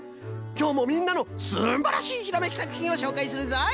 きょうもみんなのすんばらしいひらめきさくひんをしょうかいするぞい。